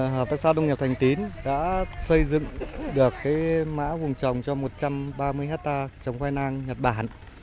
hợp tác xã đông nghiệp thành tín đã xây dựng được mã vùng trồng cho một trăm ba mươi hectare trồng khoai nang nhật bản